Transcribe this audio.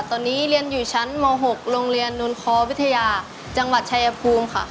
ตอนนี้เรียนอยู่ชั้นม๖โรงเรียนนวลคอวิทยาจังหวัดชายภูมิค่ะ